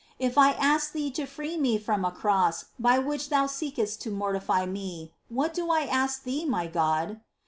If I ask Thee to free me from a cross by which Thou seekest to mortify me, what do I ask Thee, my God